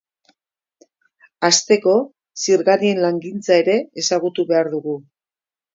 Hasteko, zirgarien langintza ere ezagutu behar dugu.